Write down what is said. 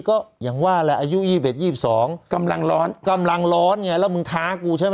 ก็อย่างว่าแหละอายุ๒๑๒๒กำลังร้อนกำลังร้อนไงแล้วมึงท้ากูใช่ไหม